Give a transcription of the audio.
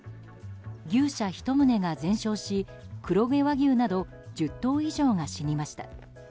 牛舎１棟が全焼し、黒毛和牛など１０頭以上が死にました。